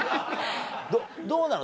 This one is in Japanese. どうなの？